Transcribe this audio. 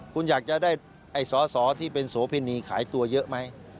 คุณอยากจะได้สอที่เป็นสวฟีนีหตัวหายเยอะไหม